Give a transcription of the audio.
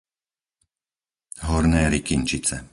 Horné Rykynčice